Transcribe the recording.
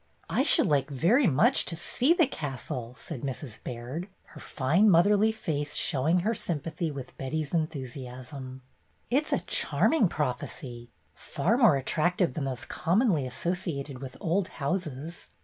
"I should like very much to see the castle," said Mrs. Baird, her fine motherly face show ing her sympathy with Betty's enthusiasm. "It 's a charming prophecy, far more attract ive than those commonly associated with old houses.